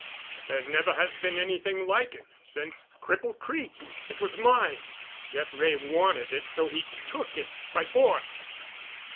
There never has been anything like it since Cripple Creek. It was mine. Jeff Wray wanted it—so he took it—by force."